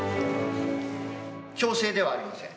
強制ではありません。